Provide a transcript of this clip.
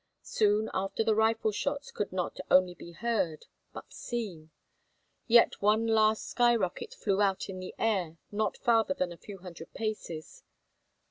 Soon the rifle shots could not only be heard but seen. Yet one last sky rocket flew out in the air not farther than a few hundred paces.